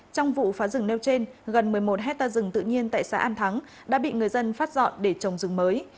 trong vụ phá rừng nêu trên gần một mươi một hectare rừng tự nhiên tại xã an thắng đã bị người dân phát dọn để trồng rừng mới